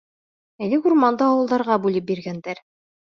Элек урманды ауылдарға бүлеп биргәндәр.